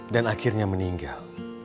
dan akhirnya meninggal